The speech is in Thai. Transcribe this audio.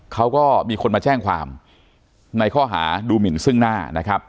เขาก็มีคนมาแจ้งความในข้อหาดูหมินซึ่งหน้านะครับ